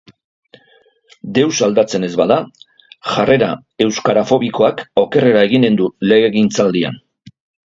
Deus aldatzen ez bada, jarrera euskarafobikoak okerrera eginen du legegintzaldian.